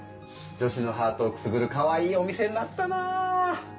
女子のハートをくすぐるかわいいお店になったなぁ。